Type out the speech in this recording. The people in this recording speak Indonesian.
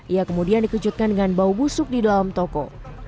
ia kemudian dikejutkan dengan bau busuk di dalam toko